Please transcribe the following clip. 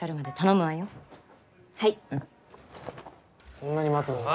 こんなに待つのか？